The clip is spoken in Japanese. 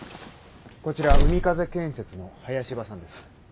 こちら海風建設の林葉さんです。